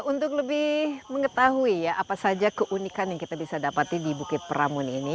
untuk lebih mengetahui apa saja keunikan yang bisa kita dapat di bukit peramun ini